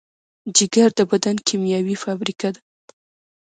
جگر د بدن کیمیاوي فابریکه ده.